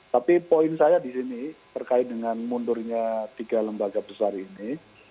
tapi poin saya di sini terkait dengan mundurnya tiga lembaga besar ini